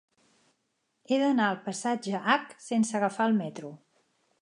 He d'anar al passatge Hac sense agafar el metro.